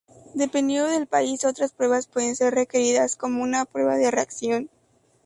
Dependiendo del país, otras pruebas pueden ser requeridas, como una prueba de reacción.